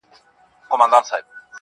ما خپل پښتون او خپل ياغي ضمير كي.